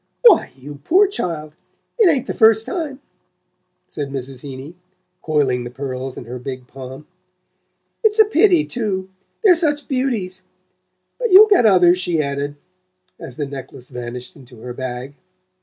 "Why, you poor child it ain't the first time," said Mrs. Heeny, coiling the pearls in her big palm. "It's a pity too: they're such beauties. But you'll get others," she added, as the necklace vanished into her bag.